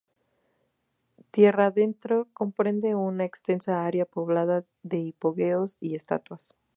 Tierradentro comprende una extensa área poblada de hipogeos y estatuas.